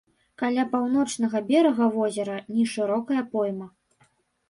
Каля паўночнага берага возера нешырокая пойма.